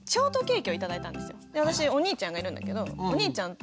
で私お兄ちゃんがいるんだけどお兄ちゃんと分けて食べたの。